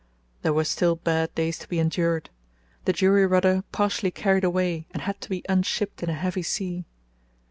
There were still bad days to be endured. The jury rudder partially carried away and had to be unshipped in a heavy sea.